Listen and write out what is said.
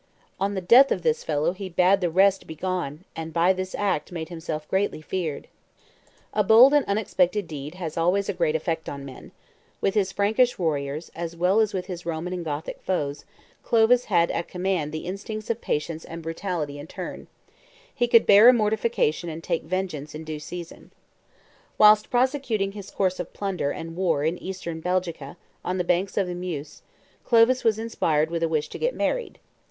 On the death of this fellow he bade the rest begone; and by this act made himself greatly feared. [Illustration: "Thus didst thou to the Vase of Soissons." 139] A bold and unexpected deed has always a great effect on men: with his Frankish warriors, as well as with his Roman and Gothic foes, Clovis had at command the instincts of patience and brutality in turn: he could bear a mortification and take vengeance in due season. Whilst prosecuting his course of plunder and war in Eastern Belgica, on the banks of the Meuse, Clovis was inspired with a wish to get married.